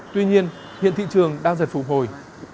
tuy nhiên hiện thị trường đang dần phục hồi